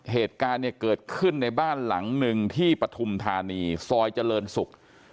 เหตุการณ์เนี่ยเกิดขึ้นในบ้านหลังหนึ่งที่ปฐุมธานีซอยเจริญศุกร์